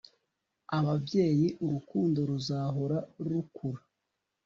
ababyeyi urukundo ruzahora rukura